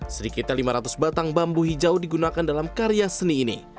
sedikitnya lima ratus batang bambu hijau digunakan dalam karya seni ini